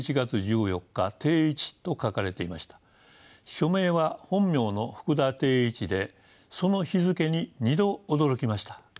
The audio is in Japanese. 署名は本名の福田定一でその日付に２度驚きました。